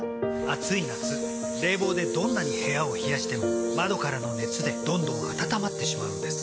暑い夏冷房でどんなに部屋を冷やしても窓からの熱でどんどん暖まってしまうんです。